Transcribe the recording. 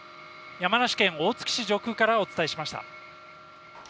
山梨県大月市上空からお伝えしました。